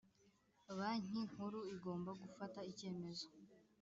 banki nkuru igomba gufata icyemezo